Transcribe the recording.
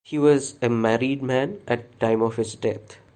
He was a married man at time of his death.